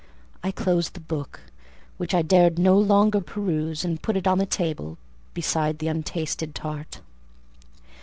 I closed the book, which I dared no longer peruse, and put it on the table, beside the untasted tart.